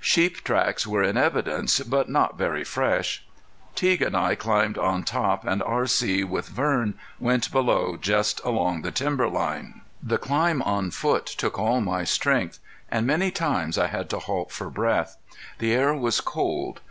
Sheep tracks were in evidence, but not very fresh. Teague and I climbed on top and R.C., with Vern, went below just along the timber line. The climb on foot took all my strength, and many times I had to halt for breath. The air was cold.